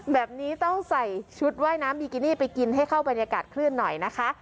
แบบนี้ต้องใส่ชุดว่ายน้ำบิกินี่ไปกินให้เข้าบรรยากาศคลื่นหน่อยนะคะ